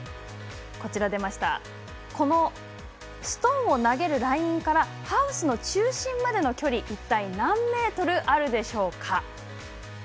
ストーンを投げるラインからハウスの中心までの距離一体何メートルあるでしょうか。